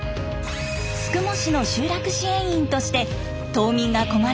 宿毛市の集落支援員として島民が困っていたら何でもお手伝い。